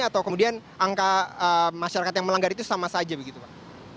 atau kemudian angka masyarakat yang melanggar itu sama saja begitu pak